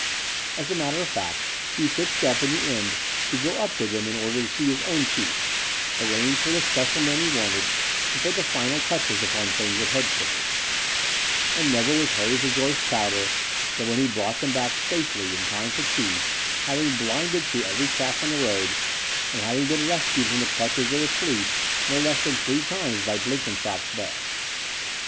As a matter of fact, he fixed up in the end to go up with them in order to see his own Chief, arrange for the special men he wanted, and put the final touches upon things at headquarters: and never was Harry Verjoyce prouder than when he brought them safely back in time for tea, having "blinded" through every trap on the road, and having been rescued from the clutches of the police no less than three times by Blenkinsopp's badge.